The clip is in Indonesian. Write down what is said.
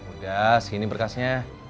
udah sini berkasnya